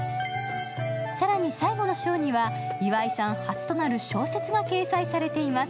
更に最後の章には岩井さん初となる小説が掲載されています。